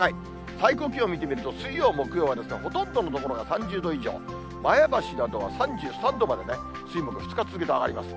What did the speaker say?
最高気温見てみると、水曜、木曜はほとんどの所が３０度以上、前橋などは３３度まで、水、木、２日続けて上がります。